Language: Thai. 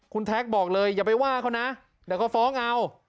คุณแท็กบอกเลยอย่าไปว่าเขานะเดี๋ยวก็ฟ้องเอา